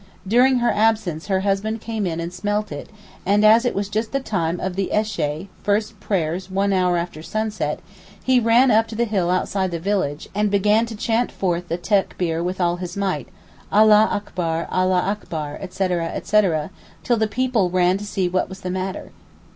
During her absence her husband came in and smelt it, and as it was just the time of the eshé (first prayers one hour after sunset), he ran up to the hill outside the village, and began to chaunt forth the tekbeer with all his might—Allah akbar, Allah akbar, etc. etc., till the people ran to see what was the matter.